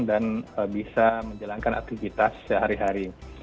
dan bisa menjalankan aktivitas sehari hari